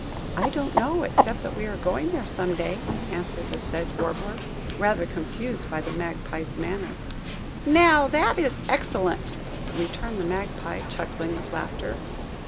"I don't know, except that we are going there some day," answered the Sedge Warbler, rather confused by the Magpie's manner. "Now, that is excellent!" returned the Magpie, chuckling with laughter.